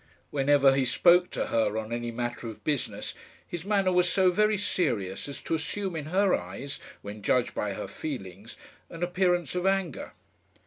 Whenever he spoke to her on any matter of business, his manner was so very serious as to assume in her eyes, when judged by her feelings, an appearance of anger.